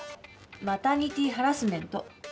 マタニティーハラスメント。